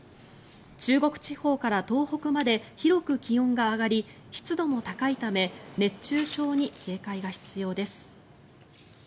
中国地方から東北まで広く気温が上がり湿度も高いため熱中症に警戒が必要です。